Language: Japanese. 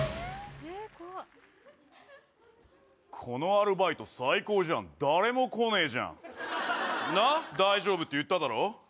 このアルバイト最高じゃん誰も来ねえじゃんなっ大丈夫って言っただろ